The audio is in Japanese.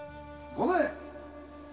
ごめん！